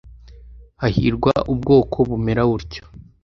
Hahirwa ubwoko bumera butyo